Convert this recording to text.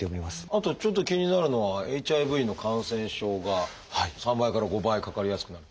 あとちょっと気になるのはＨＩＶの感染症が３倍から５倍かかりやすくなる。